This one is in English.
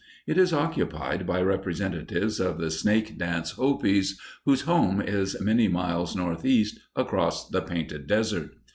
It is occupied by representatives of the Snake Dance Hopis, whose home is many miles northeast across the Painted Desert.